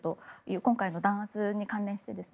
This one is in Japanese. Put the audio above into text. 今回の弾圧に関連してですね